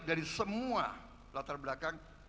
dari semua latar belakang